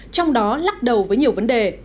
trong đó lắc đầu với nhiều vấn đề